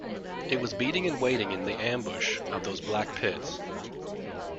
It was beating and waiting in the ambush of those black pits.